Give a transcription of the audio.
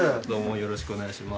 よろしくお願いします。